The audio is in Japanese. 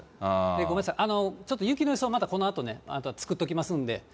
ごめんなさい、ちょっと雪の予想、このあと作っときますんで。